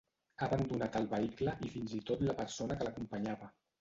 Ha abandonat el vehicle i fins i tot la persona que l’acompanyava.